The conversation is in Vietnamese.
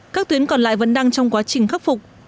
các tuyến còn lại vẫn đang trong quá trình khắc phục